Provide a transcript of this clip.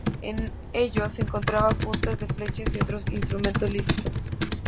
En ellos, se encontraban puntas de flecha y otros instrumentos líticos.